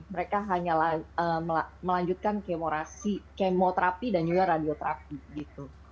mereka hanya melanjutkan kemo terapi dan juga radioterapi gitu